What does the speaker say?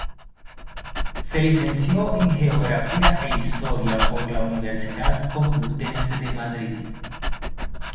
Se licenció en Geografía e Historia por la Universidad Complutense de Madrid.